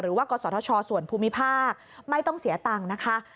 หรือว่ากศส่วนภูมิภาคไม่ต้องเสียตังค์นะคะ